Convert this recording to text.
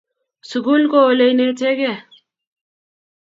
Sukul ko olenietekei